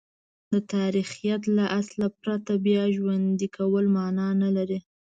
د تاریخیت له اصله پرته بیاراژوندی کول مانع نه لري.